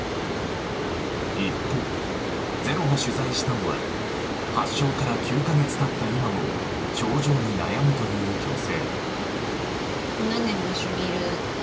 一方「ｚｅｒｏ」が取材したのは発症から９か月経った今も症状に悩むという女性。